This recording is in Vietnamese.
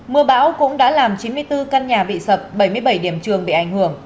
mưa bão cũng đã làm chín mươi bốn căn nhà bị sập bảy mươi bảy điểm trường bị ảnh hưởng